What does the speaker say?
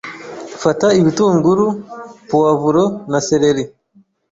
Fata ibitunguru, puwavuro na seleri